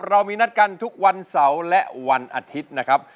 เรามีนัดกันทุกวันเสาร์และวันอาทิตย์นะครับ